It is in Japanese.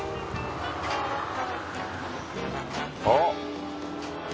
あっ！